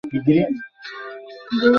চা দাও, ওদের আউল ফাউল কথা, শুইনা লাভ নাই।